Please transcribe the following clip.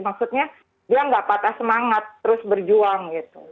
maksudnya dia nggak patah semangat terus berjuang gitu